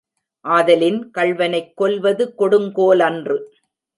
ஆதலின் கள்வனைக் கொல்வது கொடுங்கோலன்று.